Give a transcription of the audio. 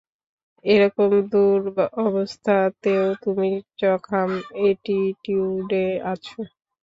এরকম দুরাবস্থাতেও তুমি চখাম এটিটিউডে আছো।